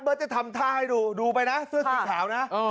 จะทำท่าให้ดูดูไปนะเสื้อสีขาวนะ